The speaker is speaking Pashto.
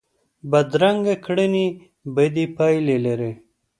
بدرنګه کړنې بدې پایلې لري